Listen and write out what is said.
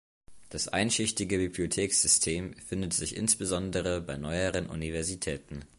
Das einschichtige Bibliothekssystem findet sich insbesondere bei neueren Universitäten.